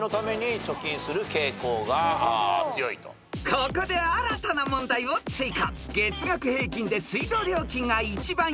［ここで新たな問題を追加］